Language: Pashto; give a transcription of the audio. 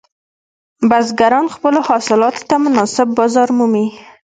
بزګران خپلو حاصلاتو ته مناسب بازار مومي.